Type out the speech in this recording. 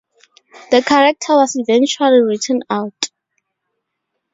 The character was eventually written out.